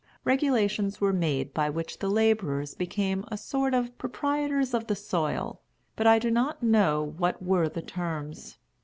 Regulations were made by which the laborers became a sort of proprietors of the soil; but I do not know what were the terms.